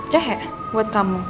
jahe buat kamu